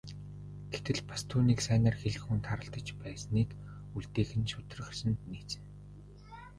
Гэтэл бас түүнийг сайнаар хэлэх хүн тааралдаж байсныг үлдээх нь шударга ёсонд нийцнэ.